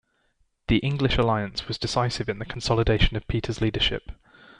The English alliance was decisive in the consolidation of Peter's leadership.